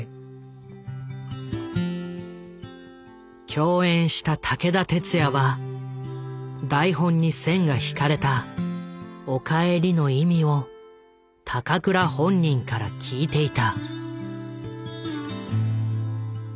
共演した武田鉄矢は台本に線が引かれた「お帰り」の意味を高倉本人から聞いていた。